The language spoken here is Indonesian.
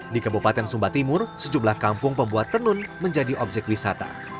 di kabupaten sumba timur sejumlah kampung pembuat tenun menjadi objek wisata